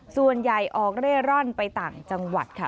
ส่วนใหญ่ออกเร่ร่อนไปต่างจังหวัดค่ะ